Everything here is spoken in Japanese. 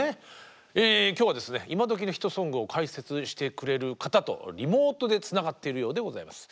今日は今どきのヒットソングを解説してくれる方とリモートでつながっているようでございます。